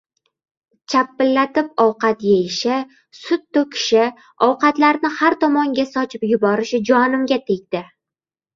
– Chapillatib ovqat yeyishi, sut toʻkishi, ovqatlarni har tomonga sochib yuborishi jonimga tegdi.